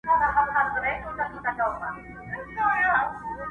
خو هېڅ څوک د هغې غږ ته نه درېږي